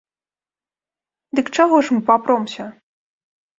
Дык чаго ж мы папромся?